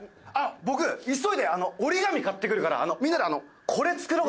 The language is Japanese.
僕急いで折り紙買ってくるからみんなでこれ作ろう。